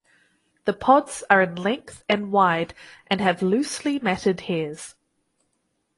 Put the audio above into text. The pods are in length and wide and have loosely matted hairs.